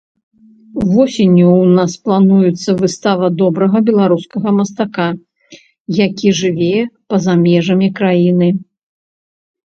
Восенню ў нас плануецца выстава добрага беларускага мастака, які жыве па-за межамі краіны.